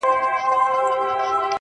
هغه حسن حسن مه ګڼه چې عام شو